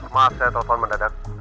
maaf saya telpon mendadak